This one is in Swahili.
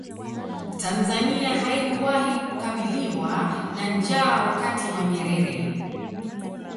tanzania haikuwahi kukabiliwa na njaa wakati wa nyerere